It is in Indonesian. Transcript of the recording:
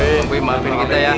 bang pi maafin kita ya